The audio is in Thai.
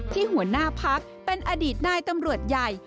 หัวหน้าพักเป็นอดีตนายตำรวจใหญ่